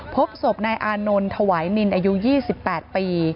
พบศพนายอานนท์ถวายนินอายุ๒๘ปี